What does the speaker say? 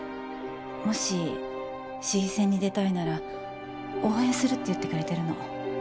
もし市議選に出たいなら応援するって言ってくれてるの。